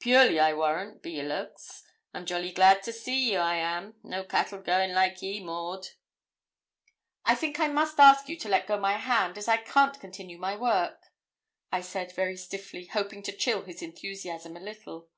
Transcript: Purely, I warrant, be your looks. I'm jolly glad to see ye, I am; no cattle going like ye, Maud.' 'I think I must ask you to let go my hand, as I can't continue my work,' I said, very stiffly, hoping to chill his enthusiasm a little.